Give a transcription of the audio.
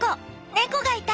猫がいた！